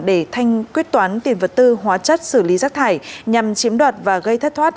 để thanh quyết toán tiền vật tư hóa chất xử lý rác thải nhằm chiếm đoạt và gây thất thoát